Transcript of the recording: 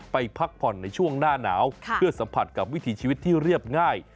พักผ่อนในช่วงหน้าหนาวเพื่อสัมผัสกับวิถีชีวิตที่เรียบง่าย